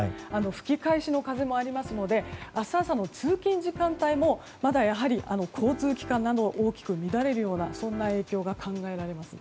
吹き返しの風もありますので明日朝の通勤時間帯もまだ交通機関なども大きく乱れるような影響が考えられます。